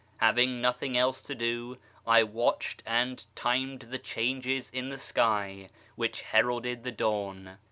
Having nothing else to do, I watched and timed the changes in the sky which heralded the dawn.